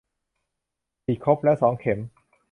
ฉีดครบแล้ว สองเข็ม